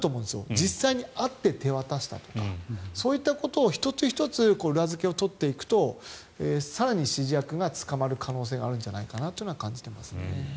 実際に会って手渡したとかそういったことを１つ１つ裏付けを取っていくと更に指示役が捕まる可能性があるんじゃないかと思いますね。